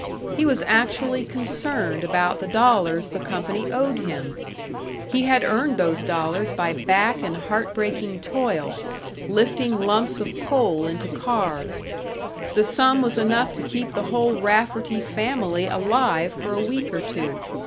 He was actually concerned about the dollars the company owed him! He had earned those dollars by back and heart breaking toil, lifting lumps of coal into cars; the sum was enough to keep the whole Rafferty family alive for a week or two.